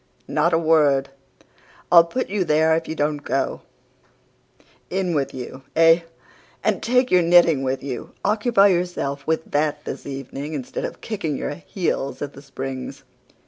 No, not a word! I'll put you there if you don't go. In with you ay, and take your knitting with you. Occupy yourself with that this evening instead of kicking your heels at The Springs!